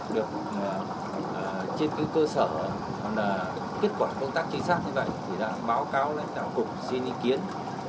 được trên cơ sở kết quả công tác chính xác như vậy báo cáo lãnh đạo cục xin ý kiến